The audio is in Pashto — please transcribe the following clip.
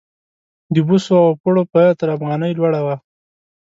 د بوسو او پړو بیه تر افغانۍ لوړه وه.